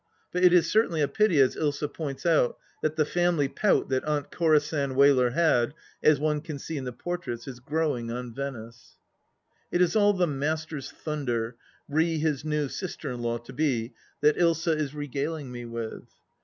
But it is certainly a pity, as Ilsa points out, that the family pout that Aunt Corisande Wheler had, as one can see in the portraits, is growing on Venice. ... It is all the Master's thunder, re his new sister in law to be, that Ilsa is regaling me with.